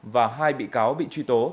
và hai bị cáo bị truy tố